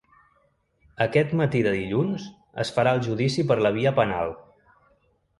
Aquest matí de dilluns es farà el judici per la via penal.